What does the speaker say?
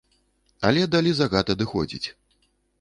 Але далі загад адыходзіць.